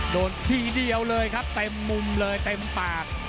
ทีเดียวเลยครับเต็มมุมเลยเต็มปาก